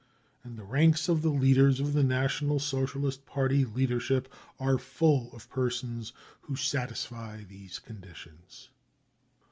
And the ranks of the leaders of the National Socialist Party leadership are full of persons who satisfy * these conditions.